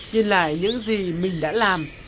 nhìn lại những gì mình đã làm